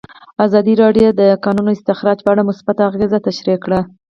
ازادي راډیو د د کانونو استخراج په اړه مثبت اغېزې تشریح کړي.